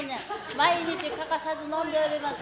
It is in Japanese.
毎日欠かさず飲んでおります。